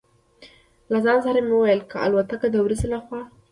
له ځان سره مې وویل: که الوتکه د ورځې له خوا.